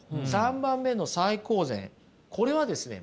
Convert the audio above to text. ３番目の最高善これはですね